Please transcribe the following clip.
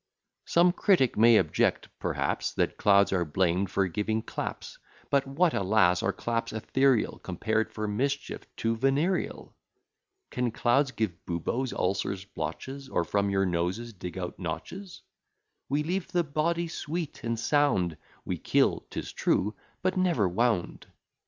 ] Some critic may object, perhaps, That clouds are blamed for giving claps; But what, alas! are claps ethereal, Compared for mischief to venereal? Can clouds give buboes, ulcers, blotches, Or from your noses dig out notches? We leave the body sweet and sound; We kill, 'tis true, but never wound.